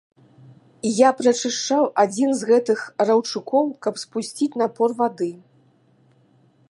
Я прачышчаў адзін з гэтых раўчукоў, каб спусціць напор вады.